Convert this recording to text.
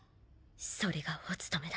それがお務めだ。